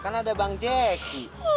kan ada bang jeki